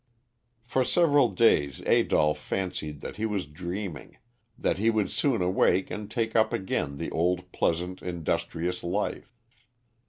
For several days Adolph fancied that he was dreaming, that he would soon awake and take up again the old pleasant, industrious life.